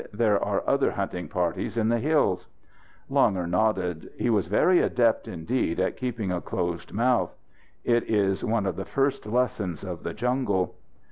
"There are other hunting parties in the hills." Langur nodded. He was very adept indeed at keeping a closed mouth. It is one of the first lessons of the jungle.